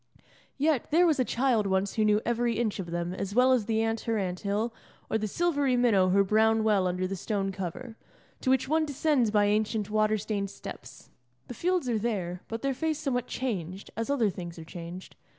Yet, there was a child once who knew every inch of them as well as the ant her anthill, or the silvery minnow her brown well under the stone cover, to which one descends by ancient water stained steps. The fields are there, but their face somewhat changed, as other things are changed.